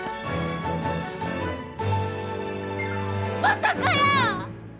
まさかやー！